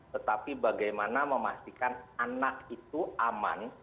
tetapi bagaimana memastikan anak itu aman